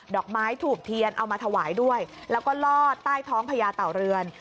อกไม้ถูกเทียนเอามาถวายด้วยแล้วก็ลอดใต้ท้องพญาเต่าเรือน